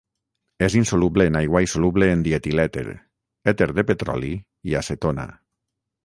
És insoluble en aigua i soluble en dietilèter, èter de petroli i acetona.